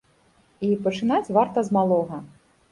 І пачынаць варта з малога.